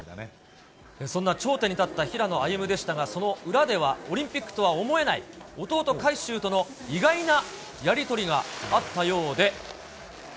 そんな頂点に立った平野歩夢でしたが、その裏ではオリンピックとは思えない、弟、海祝との意外なやり取りがあったようで。